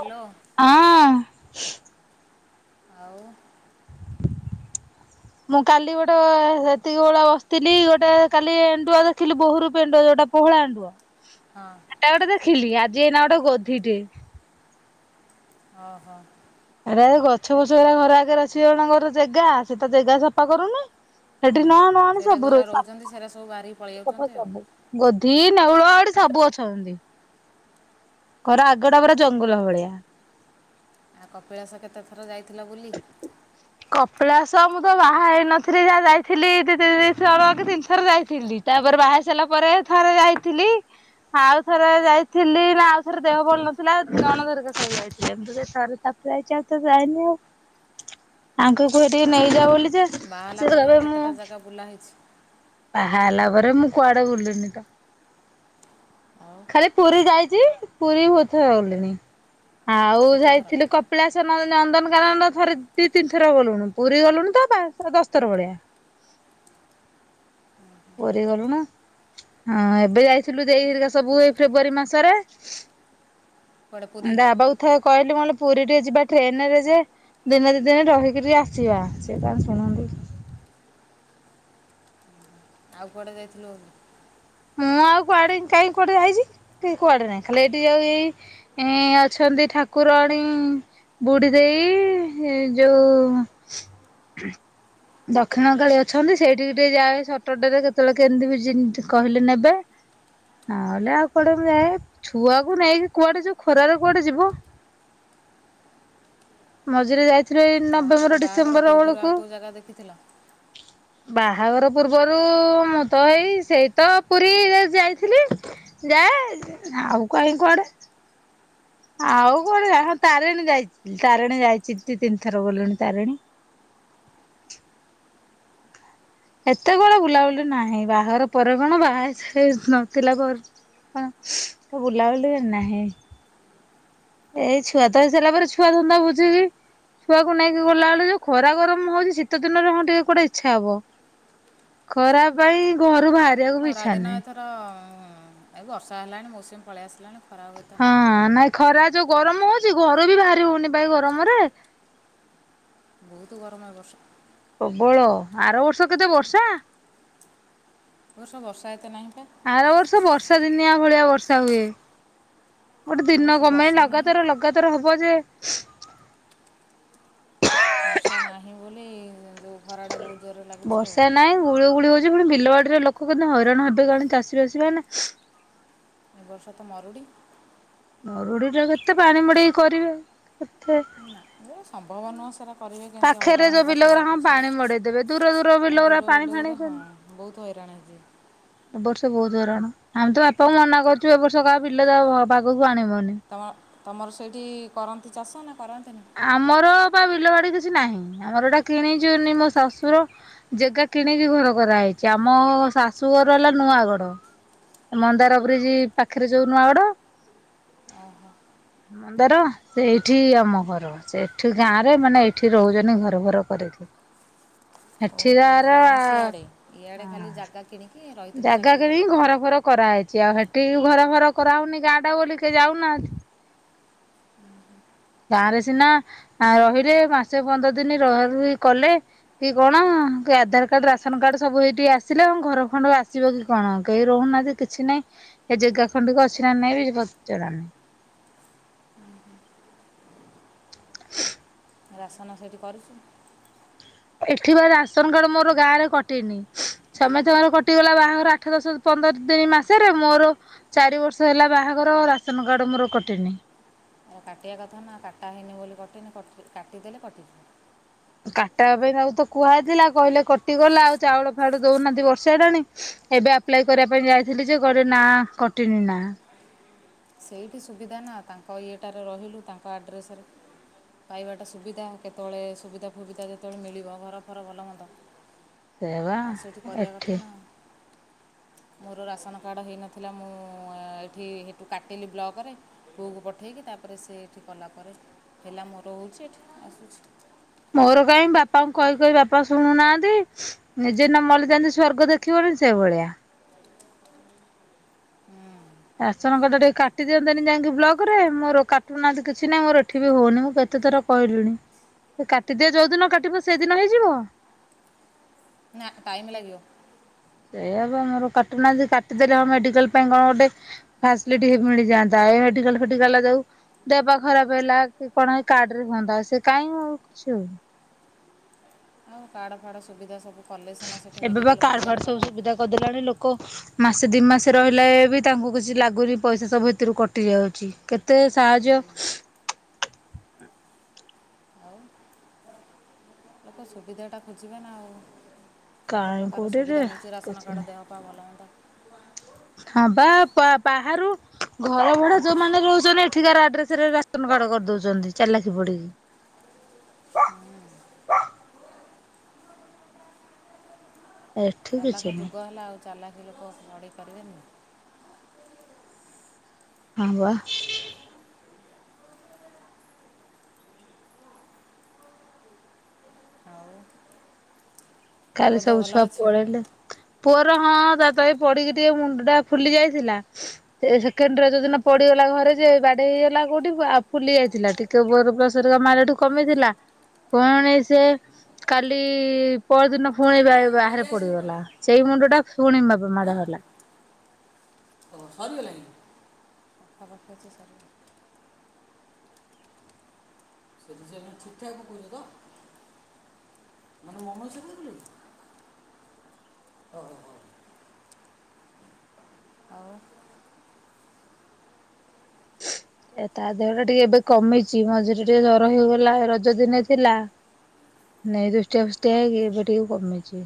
Hello. ହଁଅଁ। ଆଉ? ମୁଁ କାଲି ଗୋଟେ ସେତିକି ବୋଳୁଆ ବସିଥିଲି ଗୋଟେ କାଲି ଏଣ୍ଡୁଅ ଦେଖିଲି ବୋହୁରୁପି ଏଣ୍ଡୁଅ ଯୋଉଟା ପୋହୋଳା ଏଣ୍ଡୁଆ। ହ [unintelligible] ହଁଅଁ। ଏଟା ଗୋଟେ ଦେଖିଲି ଆଜି ଏଇନା ଗୋଟେ ଗୋଧିଟେ। ଅ ହ? ଆରେ ଏ ଗଛ ଫଛ ଏରା ଘରେ ଆଗେରେ ଆଛିି ଜଣଙ୍କର ଜେଗା ସେ ତ ଜେଗା ସପା କରୁନି। ସେଠି ନ ନୁଆଣି ସବୁ ରହୁଛି ସା ରହୁଚନ୍ତି ସେରା ସବୁ ବାହାରିକି ପ ସିଏ ସଫା କରୁନେଇ, ଗୋଧି ନେଉଳ ଏଠି ସବୁ ଅଛନ୍ତି। ଘର ଆଗ ଟା ପୁରା ଜଙ୍ଗଲ ଭଳିଆ। ଆଉ କପିଳାସ କେତେଥର ଯାଇଥିଲା ବୁଲି? କପଳାସ ମୁଁ ତ ବାହା ହେଇନଥିଲି ଯାହା ଯାଇଥିଲି ଦି ଦି ଦି ଥର କି ତିନଥର ଯାଇଥିଲି। ତାପରେ ବାହା ହେଇସାରିଲା ପରେ ଥରେ ଯାଇଥିଲି। ଆଉ ଥରେ ଯାଇଥିଲି ନା ଆଉ ଥରେ ଦେହ ଭଳ ନଥିଲା ନଣଦରିକା ସବୁ ଯାଇଥିଲେ। ମୁଁ ତ ସେଇ ଥରେ। ଥରେ ତ ଯାଇଚି ଆଉ ତ ଯାଇନି ଆଉ। ଆଙ୍କୁ କୁହେ ଟିକେ ଆଉ ନେଇଯା ବୋଲି ଯେ, ବାହା ହେଲା ସେ ପରେ ଆଉ କହିବେ ମୁଁ କେତେଟା ଜାଗା ବୁଲା ହେଇଛି ବାହା ହେଲା ପରେ ମୁଁ କୁଆଡେ ବୁଲିନି ତ। ଆଉ ଖାଲି ପୁରୀ ଯାଇଚି ପୁରୀ ଭୋଉତ ଥର ଗଲିଣିି। ଆଉ କେତେ ଥର ଯାଇଥିଲୁ କପିଳାସ ନ ନନ୍ଦନକାନନ। ଥରେ ଦି ତିନିଥର ଗଲୁଣୁ ପୁରୀ ଗଲୁଣୁ ତ ପାଁ ଦଶଥର ଭଳିଆ। ପରିଗଲୁ ନା। ହଁ ଏବେ ଯାଇଥିଲୁ ଦେଇ ଘରିକା ସବୁ ଏଇ ଫେବୃଆରୀ ମାସରେ। କୁଆଡ଼େ ପୁରୀ ଦା ଆପାକୁ ଥଏ କହିଲି ମୁଁ ଅଇଲି ପୁରୀ ଟିଏ ଯିବା ଟ୍ରେନରେ ଯେ ଦିନେ ଦି ଦିନି ରହିକିରି ଆସିବା, ସିଏ ତାର ଶୁଣୁନି। ଆଉ କୁଆଡ଼େ ଯାଇଥିଲୁ? ମୁଁ ଆଉ କୁଆଡେ କାଇଁ କୁଆଡେ ଯାଇଛି କି? କୁଆଡେ ନାଇଁ ଖାଲି ଏଇଠିକି ଆଉ ଏଇ ଏଁ ଅଛନ୍ତି ଠାକୁରଣୀ। ବୁଡିଦେଇ ହି ଯୋଉ ଦକ୍ଷିଣ କାଳୀ ଅଛନ୍ତି ସେଇଠି ଟିକେ ଯାଏ ସଟରଡ଼େ ରେ କେତେବେଳେ କେମତି ବିଜିନଟ୍ କହିଲେ ନେବେ। ନହେଲେ ଆଉ କୁଆଡେ ମୁ ଯାଏ ଛୁଆକୁ ନେଇକି କୁଆଡେ ଯୋଉ ଖରାରେ କୁଆଡେ ଯିବ? ମଝିରେ ଯାଇ ବାଆ ବାଆଘର ପୂର୍ବୁରୁ ଆଉ କୋଉ ଜାଗା ଦେଖିଥିଲ? ବାହାଘର ପୂର୍ବରୁ ମୁଁ ତ ଏଇ ସେଇ ତ ପୁରୀ ଯାଇଥିଲି। ଯାଏ ଆଉ କାଇଁ କୁଆଡେ? ଆଉ କୁଆଡେ ଯାଇ ହଁ ତାରିଣୀ ଯାଇଥିଲ ତାରିଣୀ ଯାଇଛି ଦି ତିନି ଥର ଗଲୁଣି ତାରିଣୀ। ଏତେ କୁଆଡେ ବୁଲାବୁଲି ନାହିଁ ବାହାଘର ପରେ କଣ ବାହା ହେଇ ସାରି ନଥିଲା ପରେ କଁ ବୁଲାବୁଲି ନାହିଁ। ଏଇ ଛୁଆ ତ ହେଇସାରିଲା ପରେ ଛୁଆ ଧନ୍ଦା ବୁଝିକି ଛୁଆକୁ ନେଇକି ଗଲାବେଳେ ଯୋଉ ଖରା ଗରମ୍ ହଉଚି ଶୀତ ଦିନରେ ହଁ ଟିକେ କୁଆଡେ ଇଚ୍ଛା ହବ। ଖରା ପାଇଁ ଘରୁ ବାହ ଖରାଦିନ ଏଥର ଏ ବର୍ଷା ହେଲାଣି ମୌସୁମୀ ପଳେଇ ଆସିଲାଣି। ଖରା ଆଉ ଏତେ ହଁ ହେବନି ନାଇଁ ଖରା ଯୋଉ ଗରମ ହଉଛି ଘରୁ ବି ବାହାରି ହଉନି ଭାଇ ଗରମରେ ବହୁତ ଗରମ ଏ ବର୍ଷ। ପ୍ରବଳ ଆର ବର୍ଷ କେତେ ବର୍ଷା? ଏ ବର୍ଷ ବର୍ଷା ଏତେ ନାହିଁ ବା। ଆର ବର୍ଷ ବର୍ଷା ଦିନିଆ ଭଳିଆ ବର୍ଷା ହୁଏ ଗୋଟେ ଏ ଦିନ ବର୍ଷ କମେଇ ବର୍ଷା ନାହିଁ ଲଗାତାର ଲ ଗାତର ହବ ଯେ ବର୍ଷା ନାହିଁ ବୋଲି ଯେଉଁ ଖରାଟା ବହୁତ ଜୋରରେ ଲାଗିଛି ଆଉ। ଗୁଳି ଗୁଳି ହଉଛି ପୁଣି ବିଲବାଡିରେ ଲୋକ କିନ୍ତୁ ହଇରାଣ ହେବେ କା ଚାଷୀ ବାସୀ ମାନେ ଏ ବର୍ଷ ତ ମରୁଡ଼ି ମରୁଡି ଟ କେତେ ପାଣି ମୋଡେଇକି କରିବେ କେତେ ନା ଏ ସମ୍ଭବ ନୁହେଁ ସେଟା କରିବେ କେମିତି ପାଖରେ ହଇରାଣ ଯୋଉ ହେବା ଛଡ଼ା ବିଲଗୁରା ଆଉ ହଁ ପାଣି ମଡେଇ ଦେବେ ଦୂର ଦୂର କିଛି ଆଉ ବିଲଗୁରା ଦୂର ପାଣି ଫାଣି ବିଲରେ ହଁ ବହୁତ ହଇରାଣଛି। ଏବ ବର୍ଷ ବହୁତ ହରାଣ ଆମେ ତ ବାପାଙ୍କୁ ମନା କରୁଛୁ ଏ ବର୍ଷ କାହା ବିଲ ତ ଭାଗକୁୁ ଆଣିବନି। ତମ ତମର ସେଇଠି କରନ୍ତି ଚାଷ ନା କରନ୍ତିନି? ଆମର ବା ବିଲ ବାଡି କିଛି ନାହିଁ ଆମର ଏଟା କିଣି ଯନି ମୋ ଶାଶୁର ଜାଗା କିଣିକି ଘର କରାହେଇଛି ଆମ ଶାଶୁଘର ହେଲା ନୂଆଗଡ। ମନ୍ଦାର ବ୍ରିଜ ପାଖରେ ଯୋଉ ନୂଆ ଗଡ ଓହୁ ନ୍ଦାର ସେଇଠି ଆମ ଘର। ସେଠି ଗାଁ ରେ ମାନେ ଏଇଠି ରହୁଛନ୍ତି ଘର ଫର କରିକି। ଓହୋ ଏଠିରାର ଗାଁ ସିଆଡ଼େ ଇଆଡ଼େ ଖାଲି ହଁ। ଜାଗା କିଣିକି ର ଜାଗା କିଣିକି ଘର ଫର କରାହେଇଛି ଆଉ ସେଠିକି ଘର ଫର କରାହଉନି ଗାଁ ଟା ବୋଲି କେହି ଯାଉନାହାନ୍ତି। ଗାଁରେ ସିନା ରହିଲେ ମାସେ ପନ୍ଦର ଦିନ ରୁହା ରୁହି କଲେ କି କଣ କି ଆଧାର କାର୍ଡ ରାସନ କାର୍ଡ ସବୁ ଏଇଠିକି ଆସିଲେ ଆ ଘର ଖଣ୍ଡ ଆସିବ କି କଣ କେହି ରହୁନାହାନ୍ତି କି ଅଛି ନାଇଁ ସେ ଜାଗା ଖଣ୍ଡିକ ଅଛି ନା ନାଇଁ [unintelligible] ରାସନ ସେଇଠି କରି ଏଠି ବା ରାସନ କାର୍ଡ ମୋର ଗାଁ ରେ କଟେଇନି ଛମେ ତ ଘର କଟିଗଲା ବାହାଘର ଆଠ ଦଶ ପନ୍ଦର ଦିନ ମାସରେ ମୋର ଚାରି ବର୍ଷ ହେଲା ବାହାଘର ରାସନ କାର୍ଡ ମୋର କଟିନି। ଆଉ କାଟିବା କଥା ନା କାଟା ହେଇନି ବୋଲି କଟିନି କାଟିଦେଲେ କଟିିବ। କାଟା ହେବା ପାଇଁ ତାକୁ ତ କୁହାହେଇଥିଲା କହିଲେ କଟିଗଲା ଆଉ ଚାଉଳ ଫାଉଳ ଦଉନାହାନ୍ତି ବର୍ଷେ ହେଲାଣି। ଏବେ ଆପ୍ଲାଏ କରିବା ପାଇଁ ଯାଇଥିଲି ଯେ କହିଲେ ନାଁ କଟିନି ନା। ସେଇଠି ସୁବିଧା ନା ତାଙ୍କ ଇଏଟାରେ ରହିଲୁ ତାଙ୍କ ଆଡ଼୍ରେସରେ ପାଇବାଟା ସୁବିଧା କେତେବେଳେ ସୁବିଧା ଫୁବିଧା ଯେତେବେଳେ ମିଳିବ ଘର ଫର ଭଲ ମନ୍ଦ ସେଇବା ଆଉ ସେଇଠି କରିବା ଏଠି କଥା ନା। ମୋର ରାସନ କାର୍ଡ଼ ହେଇନଥିଲା ମୁଁ ଏଠି କାଟିଲି ବ୍ଲକରେ ପୁଅକୁ ପଠେଇକି ତାପରେ ସେଠି କଲାପରେ ହେଲା ମୋର ହଉଛି ଏଠି ଆସୁଛି। ମୋର କାହିଁ ବାପାଙ୍କୁ କହି କହି ବାପା ଶୁଣୁନାହାନ୍ତି। ନିଜେ ନ ମଲେ ଯେନ୍ତି ସ୍ଵର୍ଗ ଦେଖିବନି ସେଇଭଳିଆ। ରାସନ କାର୍ଡ ଟିକେ କାଟି ଦିଅନ୍ତେନି ଯାଇକି ବ୍ଲକ ରେ ମୋର କାଟୁନାହାନ୍ତି କିଛି ହିଁ ମୋର ଏଠି ବି ହଉନି ମୁଁ କେତେଥର କହିଲୁଣି ସେ କାଟିଦିଅ ଯୋଉ ଦିନ କାଟିବ ସେଦିନ ହେଇଯିବ। ନା ଟାଇମ୍ ଲାଗିବ। ସେୟାବା ମୋର କାଟୁନାହାନ୍ତି କାଟିଦେଲେ ହଁ ମେଡିକାଲ ପାଇଁ କଣ ଗୋଟେ ଫାସିଲିଟି ମିଳିଯାନ୍ତା ଏଡିକାଲ ଫେତିକଲ ଜାଉ ଦେବା ପା ଖରାପ ହେଲା କି କଣ କାର୍ଡ ରେ ହୁଅନ୍ତା ସେ କାହିଁକି ଆଉ କିଛି ହଉନି। ଆଉ କାର୍ଡ ଫାଡ଼ ସୁବିଧା ସବୁ କଲେ ସିନା ସେଠା ଏବେ ବା କାଡ଼ ଫାଡ଼ ସବୁ ସୁବିଧା କରିଦେଲାଣି ଲୋକ ମାସେ ଦି ମାସେ ରହିଲେ ବି ତାଙ୍କୁ କିଛି ଲାଗୁନି ପଇସା ସବୁ ଏଥିରୁ କଟି ଯାଉଛି କେ ତେ ସାହାଯ୍ୟ ଆଉ। ଲୋକ ସୁବିଧାଟା ଖୋଜିବେ ନା ଆଉ କେତେ କାହିଁ ପ୍ରକାର କୋଉଠିରେ ସୁବିଧା ମିଳୁଛି ରାସନ କିଛି କାର୍ଡ଼ ନାହିଁ ଦେହ ପା ଭଲ ମନ୍ଦ। ହଁ ବା ବାହାରୁ ଘର ଭଡା ଯୋଉମାନେ ରହୁଛନ୍ତି ଏଠିକାର ଆଡ୍ରେସ ରେ ରାସନ କାର୍ଡ କରିଦଉଛନ୍ତି ଚାଲାଖି ପଡିକି। ଏଠି କିଛି ଚାଲାଖ ନାହିଁ ଯୁଗ ହେଲା ଆଉ ଚାଲାକି ଲୋକ ପଢ଼େଇ ପାରିବେନି। ହଁ ବା। ଆଉ କାଲି ପୁଅ ଦେହ ସବୁ ଭଲ ଛୁଆ ଅଛି ପଳେଇଲେ। ପୁଅର ହଁ ତା ତ ଏଇପଡିକି ଟିକେ ମୁଣ୍ଡ ଟା ଫୁଲି ଯାଇଥିଲା। ସେ ସେକେଣ୍ଡରେ ଯୋଉଦିନ ପଡିଗଲା ଘରେ ଯେ ବାଡେ ହେଇଗଲା କୋଉଠି ଆଉ ଫୁଲି ଯାଇଥିଲା ଟିକେ। ବୋର ପ୍ଲସହାରିକା ମାରଲାଠୁ କମିଥିଲା ପୁଣି ସେ କାଲି ପରଦିନ ପୁଣିିବା ଖାଇକି ବାହାରେ ଆସିବ ପଡିଗଲା ସେଇ ମୁଣ୍ଡ ଟା ପୁଣି ମାଡ ହେଲା। ଓଉ ହରି ଗଲାଣି। [unintelligible] ଏବେ ସେ ଠିକ ଠାକ କହୁଚି ତ। ମାନେ ମମ [unintelligible] ହଉ ହଉ ଆଉ ଏ ତା ଦେହ ଟା ଟିକେ ଏବେ କମିଛିି ମଝିରେ ଟିକେ ଜର ହେଇଗଲା ରଜ ଦିନେ ଥିଲା। ନାଇଁ ଦୁଷ୍ଟିଆ ଫୁଷ୍ଟିଆ ଏବେ ଟିକେ କମିଛି।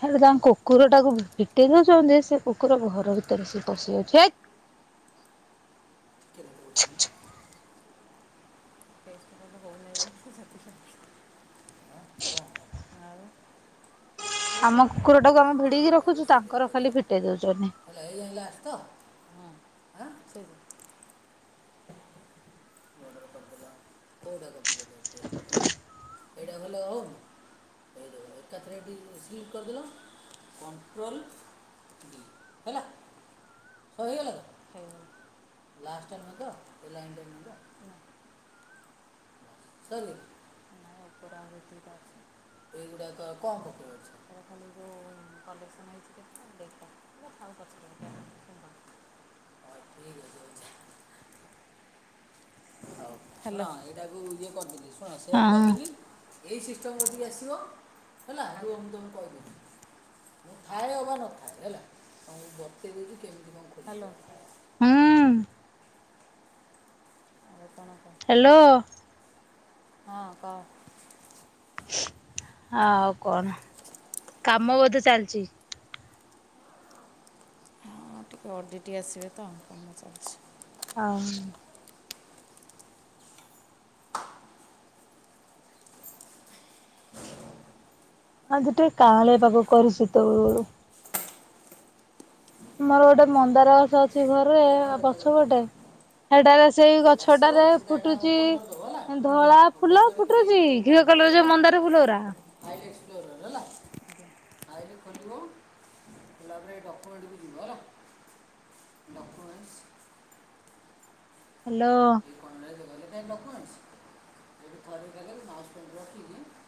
ହେଲେ ତାଙ୍କ କୁକୁର ଟାକୁ ଫିଟେଇ ଦଉଛନ୍ତି ସେ କୁକୁର ଘର ଭିତରେ ସେ ପଶି ଯାଉଚି। କେତେ ପକଉଛ ନା? [unintelligible] [unintelligible] ହଁ, ଆଉ। ଆମ ଶିଖିବ ନା ଆଉ କୁକୁର ଟାକୁ ଆମେ ଏମିତି ଭିଡିକି ରଖୁଛୁ ତାଙ୍କର ଖାଲି ଫିଟେଇ ଦଉଚନି। [unintelligible] ଏଇଯାଇ୍ ଆସ ତ। ହଁ ହଁ ସେ ଅର୍ଡ଼ର କରିଦେଲ କେଉଁଟା କପି କରିଦେଲ ପେଷ୍ଟ କରିଦେଲ ଏଇଟା ଭଲ ହବ। ତାପରେ ଏଠି ମିଶିକି କରିବ କଣ୍ଟ୍ରୋଲ୍ ହେଲା। ସବୁ ହେଇଗଲା ତ ଲାଷ୍ଟ ଟା ନୁହେଁ ତ ଏ ଲାଇନ୍ ଟା ଏମତି ତ। ତାଲେ [unintelligible] ଏଇଗୁଡ଼ାକ କଣ ପକେଇ ଅଛିଁ [unintelligible] [unintelligible] ହାଲୋ, ହଁ ଏଇଟାକୁ ଇଏ କରିଦେଥିଲି ଶୁଣ ସେଫ୍ ହଁ କରିଦେବି। ଏଇ ସିଷ୍ଟମ୍ କତିକି ଆସିବ ହେଲା। ମୁଁ ଥାଏ ଅବା ନଥାଏ ହେଲା ମୁ ବତ୍ତେଇ ଦୋଉଚି କେମିତି କଁ ଖୋଲିବ। ହୁଁ। ଆଉ କଣ କ। ହ୍ୟାଲୋ ହଁ କହ ଆଉ କଣ କାମ ବୋଧେ ଚାଲିଛି। ହଁ ଟିକିଏ ଅଡ଼ିଟି ଆସିବେ ତ କାମ ଚାଲିଛି। ହଁ ଆଜି ଟିକେ କାଆଁଳିଆ ପାଗ କରିଛି ତ। ମୋର ଗୋଟେ ମନ୍ଦାର ଗଛ ଅଛି ଘରେ ରେଖର ପଛ କରିକି ପଟେ। ସେଟାରେ ସେଇ ଏଇ ଆସିବ ଗଛଟାରେ ସିଧା ଏଇଟା ଫୁଟୁଛି ଓପନ୍ କରିଦେବ ହେଲା ଆଜ୍ଞା ଧଳା ଓପନ୍ ଫୁଲ କରିକି ଫୁଟୁଛି। ଘିଅ ଗଲେଯେ ମନ୍ଦାର ଫୁଲ ଗୁରା। ହାଇଲେ ଏକ୍ସପ୍ଲୋର ହେଲା ଆଜ୍ଞା ହାଇଲେ ଖୋଲିିବ। ଖୋଲା ବେଳେ ଡକ୍ୟୁମେଣ୍ଟକୁ ଯିବୁ ହେଲା ଡକ୍ୟୁମେଣ୍ଟ। ହ୍ୟାଲୋ ହେଲେ କାଁ ଡକ୍ୟୁମେଣ୍ଟଣ୍ ରଖିକି [unintelligible]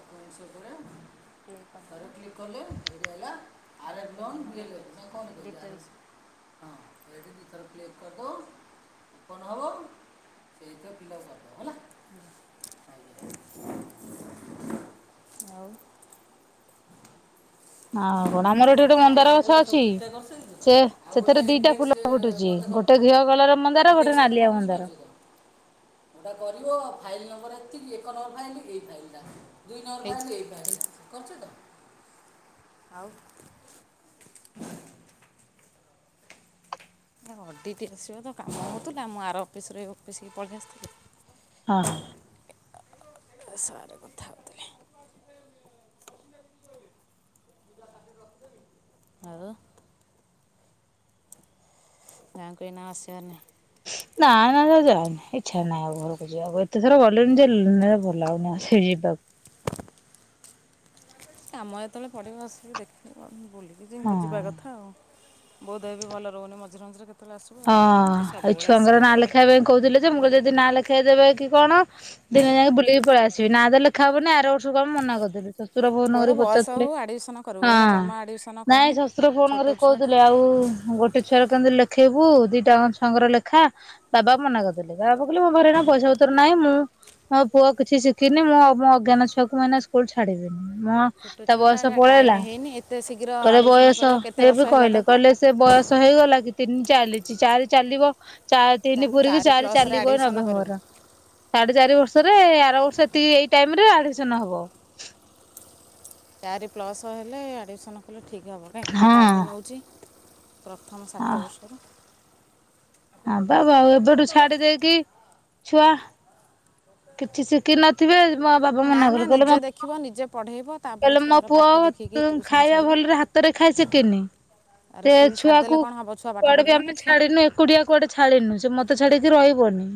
ପୁଣି ସେ ପୁୁରେ କ୍ଲିକ କର ଆଇଆ ହେଲା ଆ ଲଣ [unintelligible] ହଁ ଏଠି ଦି ଥର କ୍ଲିକ କରିଦଉ କଣ ହବ ଏଇଟା ଫିଲପ କରି ଦବ ହେଲା। ଆଜ୍ଞା ଆଉ ଆଉ କଣ ଆମର ଏଠି ସବୁ ଗୋଟେ ଫାଇଲ ମନ୍ଦାର ଫାଇଲ ଗଛ ଗୋଟେ ସବୁ ଅଛି। ଠିକ ଠାକ କରିସାରିଛୁ ତ ସେ ଆଉ ଗୋଟେ ସେଥିରେ ଦିଟା ଫୁଲ ଇଣ୍ଡେକ୍ସ ଫୁଟୁଛି ଗୋଟେ କର ଥିବ ଘିଅ କଲର ମନ୍ଦାର ଗୋଟେ ଇଣ୍ଡେକ୍ସ ମାନେ ନାଲିଆ କଣ ବୁଝି ମନ୍ଦାର ପାରୁଛ ତ? ଏଟା କରିଲୁ ଫାଇଲ୍ ନମ୍ବର ଏତିକି ଏକ ନମ୍ବର ଫାଇଲ୍ ଏଇ ଫାଇଲ୍ ଟା। ଦୁଇ ନମ୍ବର ଫାଇଲ୍ ଏଇଟା କରୁଛ ତ ଆଉ? ଆ ଅଡ଼ିଟ୍ ଆସିବ ତ କାମ ହଉଥିଲା। ମୁଁ ଆର ଅଫିସରେ ଅଫିସ୍ କି ପଳେଇ ଆସିଥିଲି। ହଁ ହଁ ତ ସାରେ କଥା ହଉଥିଲି। ଆଉ ଗାଁକୁ ଏଇନା ଆସିବନି? ନାଇ ନାଇ ବି ଯାଏନି ଇଚ୍ଛା ନାହିଁ ଆଉ ଘରକୁ ଯିବାକୁ ଏତେ ଥର ଗଲେଣି ଯେ ଲ ଏ ଭଲ ଲାଗୁନି ଆ ସେ ଯିବାକୁ। କାମ ଯେତେବେଳେ ପଢ଼ିବ ଆସିକି ଦେଖିକି ବୁଲିବି ଯେ ହଁ। ଯିବା କଥା। ଥାଉ ବୋଉ ଦେହ ବି ଭଲ ରହୁନି ମଝିରେ ମଝିରେ କେତେ। ହଁ ଏ ଛୁଆଙ୍କର ନାଁ ବି ଲେଖେଇବା ପାଇଁ କହୁଥିଲେ ଯେ ଭଲ ମୁଁ ଯଦି ଲାଗୁନି ନାଁ ଲେଖ ଖେଇ ଦେବେ କି କଣ ଦିନେ ଯାଇକି ବୁଲିକି ପଳେଇ ଆସିବି ନା ତ ଲେଖା ହବନି ଆର ବର୍ଷକୁ କଣ ମନା କରିଦେବି। ଶଶୁର ଫୋନ ପୁଅର କରି ବୟସ ପଚାରୁଥିଲେ ହଉ ଆଡ଼ମିସନ୍ କରିବୁ ହଁ ଏଇନା ଜମା ଆଡ଼ମିସନ୍ କରନି ନାଇଁ ଶଶୁର ଫୋନ ଛୋଟ କରିକି। ଛୁଆଟା କହୁଥିଲି ଆଉ ଗୋଟେ ଛୁଆର କେମତି ଲେଖେଇବୁ ଦିଟା ଙ୍କ ଛୁଆଙ୍କର ଲେଖା। ବାବା କୁ ମନା କରିଦେଲେ ବାବା କହିଲେ ମୋ ଘରେ ପଇସା ପତର ନାହିଁ ମୁଁ ମୋ ପୁଅ କିଛି ଶିଖିନି ମୁଁ ଅବ ଅଜ୍ଞାନ ଛୁଆକୁ ମାନେ ସ୍କୁଲ ଛାଡିବିନି। ମୁଁ ଛୋଟ ତା ଛୁଆ ବୟସ ଟାଇମ୍ ପଳେଇଲା ହେଇନି ଏତେ ଶୀଘ୍ର କହିଲେ ଆଡ଼ମିସନ୍ ବୟସ କରିବ କେତେ ବର୍ଷ ଏବେ ହେଲା କହିଲେ। ତାକୁ କହିଲେ ସେ ବୟସ ହେଇଗଲା କି ତିନି ଚାଲିଛି ଚାରି ଚାଲିବ। ଚା ତିନି ତାକୁ ପୁରିକି ଚାରି ପ୍ଲସ୍ରେ ଚାଲିବ ଏ ଆଡ଼ମିସନ୍ କରିବୁ ନଭେମ୍ବର। ସାଢେ ଚାରି ବର୍ଷରେ ଆର ବର୍ଷ ଏତିକି ଏଇ ଟାଇମ ରେ ଆଡମିସନ ହବ। ଚାରି ପ୍ଲସ୍ ହେଲେ ଆଡ଼ମିସନ୍ କଲେ ଠିକ୍ ହେବ କାହିଁକିନା ହଁ ଟାଇମ ନେଉଛି। ପ୍ରଥମ ସାତ ବର୍ଷର। ହାଁ ବା ବାବୁ ଏବେଠୁ ଛାଡି ଦେଇକି ଛୁଆ! କିଛି ଶିଖି ନଥିବେ ମୋ ବାପା ମନା କଲେ କହିଲେ ମୋପ ଶିଖିବ ନିଜେ ପଢ଼େଇବ। ତାପରେ କହିଲେ ମୋ ଛୁଆର ପୁଅ ପାଠ ଦେଖିକି ଟ୍ୟୁସନ୍ ଖାଇବା ଛାଡ଼ିବ ଭଲରେ ହାତରେ ଖାଇସ ସିକିନି। ଆରେ ସେ ସ୍କୁଲ୍ ଛାଡ଼ିଦେଲେ ଛୁଆକୁ କ'ଣ ହେବ ଛୁଆ ପାଠ କୁଆଡେ ବି ପଢ଼ିବନି ଆମେ ଛୁଆ ଛାଡିିନୁ ଏ କୁଟିଆ କୁଆଡେ ଛାଡିିନୁେ ମତେ ଛାଡିକି ରହିବନି।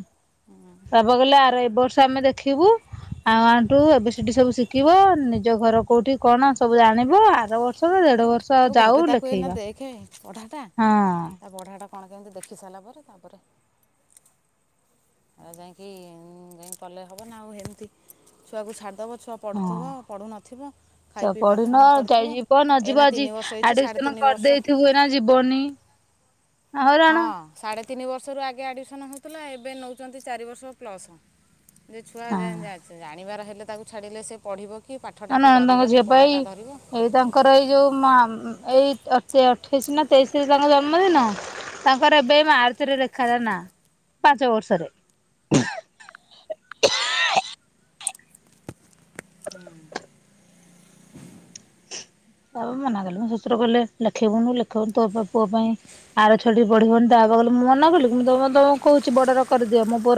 ହୁଁ। ତାପ ବାପା କହିଲଲେ ଆର ଏ ବର୍ଷ ଆମେ ଦେଖିବୁ ଆଉ one two A B C D ସବୁ ଶିଖିବ ନିଜ ଘର କୋଉଠି କଣ ସବୁ ଜାଣିବୁ ଆର ବର୍ଷ ଦେଢ ବର୍ଷ ତୁ ଯାଉ ଘରେ ତାକୁ ଏଇନା ଲେଖେଇବା ଦେଖେ ପଢା ଟା ହଁ ତା ପଢା ଟା କଣ କେମିତି ଦେଖି ସାରିଲା ପରେ ତାପରେ ଆଉ ଯାଇକି ଯାଇି କଲେ ହବ ନା ଆଉ ହେମିତି ଛୁଆକୁ ଛାଡ଼ି ଦବ ଛୁଆ ହଁ ପଢ଼ୁଥିବ ପଢ଼ୁ ନଥିବ ଖାଇ ତ ପି ପାରୁଥିବ ପଢିନ ନ ଯାଇ ପାରୁଥିବ ଏଇନା ତିନି ବର୍ଷ ହେଇଛି ସାଢ଼େ ତିନି ବର୍ଷ ଦେଇଥିବୁ ଏଇନା ଯିବନ। ହଁ ସାଢ଼େ ତିନି ବର୍ଷରୁ ଆଗେ ଆଡ଼ମିସନ ହେଉଥିଲା ଏବେ ନେଉଛନ୍ତି ଚାରି ବର୍ଷ ପ୍ଲସ। ଯେ ଛୁଆ ଯେ ହଁ। ଜାଣିବାର ହେଲେ ତାକୁ ଛାଡିଲେ ସେ ପଢ଼ିବ କି ନା ପାଠଟା କୁ ନଣନ୍ଦଙ୍କ ଡରିବନି ଝିଅ ପାଇଁ ପଢ଼ାଟା ଧରିବ। ଏଇ ତାଙ୍କର ଏଇ ଯେଉଁ ମା ଏଇ ଅଠେଇଶି ନା ତେଇଶରେ ତାଙ୍କ ଜନ୍ମଦିନ। ତାଙ୍କର ଏବେ ଏଇ ମାର୍ଚ୍ଚ ଦେଖା ହେଲା ନା ପାଞ୍ଚ ବର୍ଷରେ। ତାପରେ ମନା କଲେ ମୁଁ ଶତୁର କଲେ ଲେଖେଇବୁନୁ ଲେଖେଇବୁନୁ ତୋ ପୁଅ ପାଇଁ ଆର ଛୁଆ ଟା ପଢିବନି ତା ବାପା କହିଲେ ମୁ ମନା କଲି ମୁ ତ ତମ କହୁଛି ବଡର କରିଦିଅ ମୋ ପୁଅ ର